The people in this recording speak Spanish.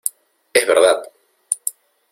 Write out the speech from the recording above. ¡ es verdad!...